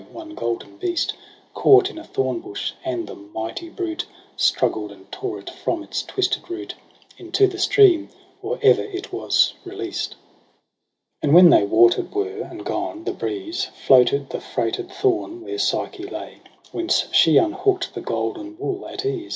one golden beast Caught in a thornbush ^ and the mighty brute Struggled and tore it from its twisted root Into the stream, or e'er he was releas't. i6 And when they water'd were and gone, the breeze Floated the freighted thorn where Psyche lay : Whence she unhook'd the golden wool at ease.